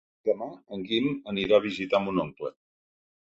Demà en Guim anirà a visitar mon oncle.